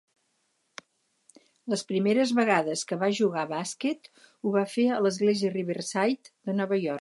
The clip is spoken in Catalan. Les primeres vegades que va jugar bàsquet ho va fer a l'església Riverside de Nova York.